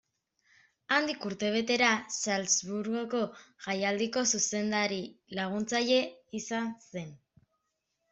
Handik urtebetera, Salzburgoko Jaialdiko zuzendari-laguntzaile izan zen.